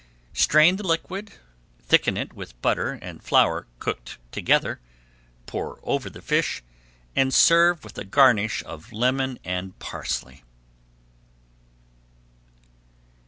Strain the liquid, thicken it with butter and flour cooked together, pour over the fish, and serve with a garnish of lemon and parsley.